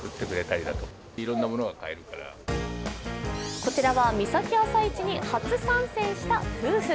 こちらは三崎朝市に初参戦した夫婦。